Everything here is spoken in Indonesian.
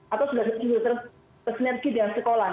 atau sudah bersinergi dengan sekolah